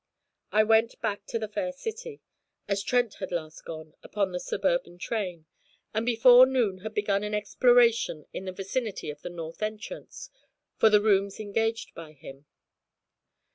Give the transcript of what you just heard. I went back to the Fair City, as Trent had last gone, upon the Suburban train; and before noon had begun an exploration, in the vicinity of the north entrance, for the rooms engaged by him.